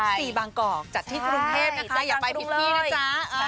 อันนี้๒๔บางกองจัดที่กรุงเทพนะคะอย่าไปผิดพี่นะจ๊ะ